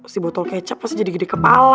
si botol kecap pasti jadi gede kebal